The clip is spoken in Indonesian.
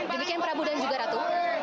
demikian prabu dan juga ratu